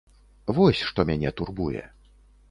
Вось што мяне турбуе.